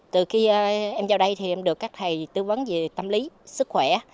từ khi em vào đây thì em được các thầy tư vấn về tâm lý sức khỏe